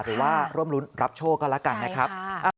หรือว่าร่วมรุ้นรับโชคก็แล้วกันนะครับ